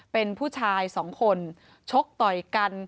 เป็นผู้ชายสองคนชกต่อยกัน